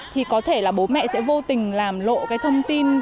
thì có thể là bố mẹ sẽ vô tình làm lộ cái thông tin